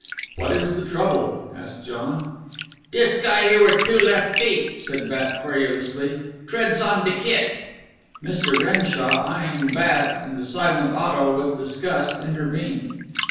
"What is the trouble?" asked John. "Dis guy here wit' two left feet," said Bat querulously, "treads on de kit." Mr. Renshaw, eying Bat and the silent Otto with disgust, intervened.